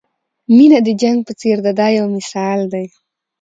مینه د جنګ په څېر ده دا یو مثال دی.